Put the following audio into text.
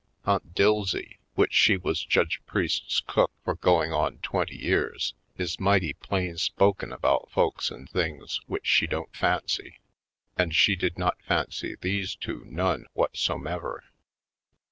Aunt Dilsey, which she was Judge Priest's cook for going on twenty years, is mighty plain spoken about folks and things which she don't fancy. And she did not fancy these two none whatsomever.